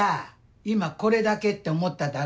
今「これだけ？」って思っただろ。